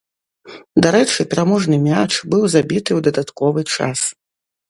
Дарэчы пераможны мяч быў забіты ў дадатковы час.